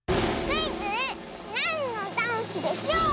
クイズ「なんのダンスでしょう」！